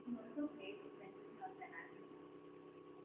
He also played extensively on penalty kill.